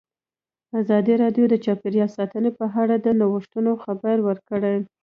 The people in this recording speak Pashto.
ازادي راډیو د چاپیریال ساتنه په اړه د نوښتونو خبر ورکړی.